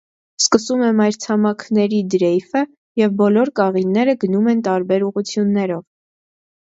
Սկսում է մայրցամաքների դրեյֆը, և բոլոր կաղինները գնում են տարբեր ուղղություններով։